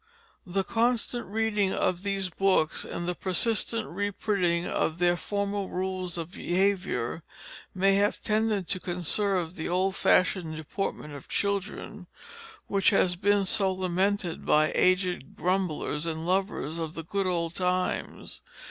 The constant reading of these books, and the persistent reprinting of their formal rules of behavior, may have tended to conserve the old fashioned deportment of children which has been so lamented by aged grumblers and lovers of the good old times.